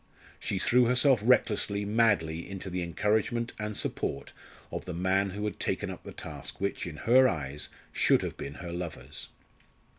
She threw herself recklessly, madly into the encouragement and support of the man who had taken up the task which, in her eyes, should have been her lover's.